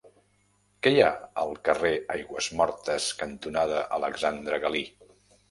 Què hi ha al carrer Aigüesmortes cantonada Alexandre Galí?